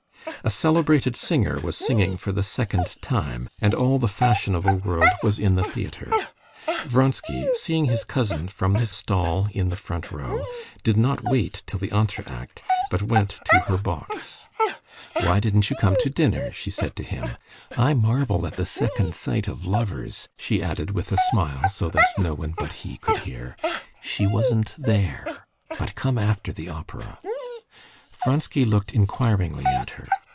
The celebrated singer was singing for the second time, and all the fashionable world was in the theater. Vronsky, seeing his cousin from his stall in the front row, did not wait till the entr'acte, but went to her box. "Why didn't you come to dinner?" she said to him. "I marvel at the second sight of lovers," she added with a smile, so that no one but he could hear; "she wasn't there. But come after the opera." Vronsky looked inquiringly at her.